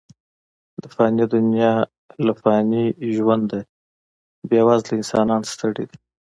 د فاني دنیا له فاني ژونده، بې وزله انسانان ستړي دي.